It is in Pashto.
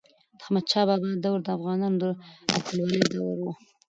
د احمد شاه بابا دور د افغانانو د اتلولی دوره وه.